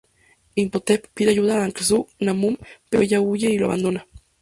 Imhotep pide ayuda a Anck-Su-Namun pero ella huye y lo abandona.